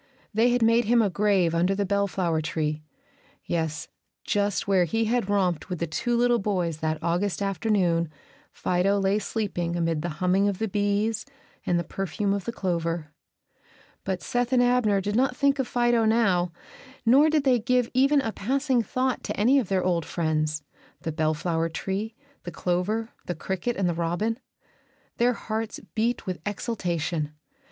They had made him a grave under the bellflower tree, yes, just where he had romped with the two little boys that August afternoon Fido lay sleeping amid the humming of the bees and the perfume of the clover. But Seth and Abner did not think of Fido now, nor did they give even a passing thought to any of their old friends, the bellflower tree, the clover, the cricket, and the robin. Their hearts beat with exultation.